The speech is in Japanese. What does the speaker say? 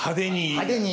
派手に。